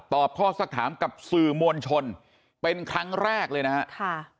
ข้อสักถามกับสื่อมวลชนเป็นครั้งแรกเลยนะฮะค่ะ